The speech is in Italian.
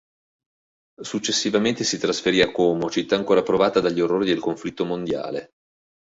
Successivamente si trasferì a Como, città ancora provata dagli orrori del conflitto mondiale.